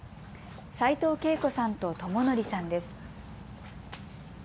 斉藤桂子さんと友紀さんです。